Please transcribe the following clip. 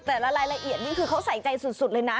แต่รายละเอียดนี่คือเขาใส่ใจสุดเลยนะ